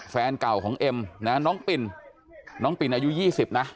แฟนเก่าของเอ็มนะน้องปินน้องปินอายุ๒๐นะ